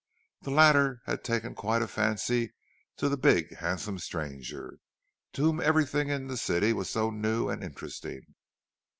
The latter had taken quite a fancy to the big handsome stranger, to whom everything in the city was so new and interesting.